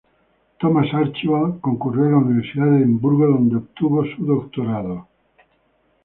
Thomas Archibald concurrió a la Universidad de Edimburgo donde obtuvo su doctorado.